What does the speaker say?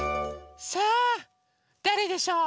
さあだれでしょう？